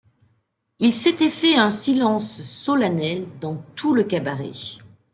Il s’était fait un silence solennel dans tout le cabaret.